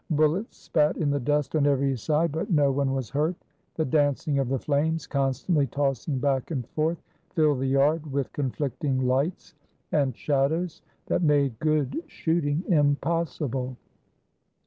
Bullets spat in the dust on every side, but no one was hurt. The dancing of the flames, constantly tossing 431 THE BALKAN STATES back and forth, filled the yard with conflicting lights and shadows that made good shooting impossible.